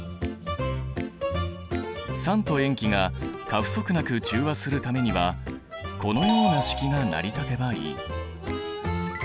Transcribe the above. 酸と塩基が過不足なく中和するためにはこのような式が成り立てばいい。